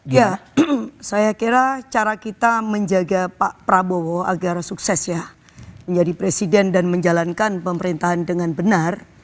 ya saya kira cara kita menjaga pak prabowo agar sukses ya menjadi presiden dan menjalankan pemerintahan dengan benar